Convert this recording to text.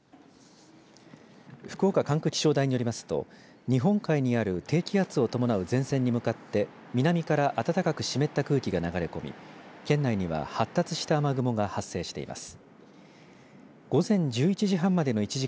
福岡管区気象台によりますと日本海にある低気圧を伴う前線に向かって南から暖かく湿った空気が流れ込み県内には発達した雨雲が発生しています。